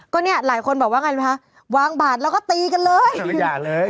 ก็เนี่ยหลายคนบอกว่าว้างบาทแล้วก็ตีกันเลย